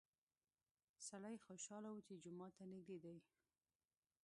سړی خوشحاله و چې جومات ته نږدې دی.